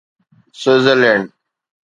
Switzerland